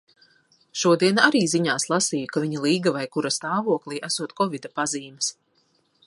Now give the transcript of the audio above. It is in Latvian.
Šodien arī ziņās lasīju, ka viņa līgavai, kura stāvoklī, esot kovida pazīmes.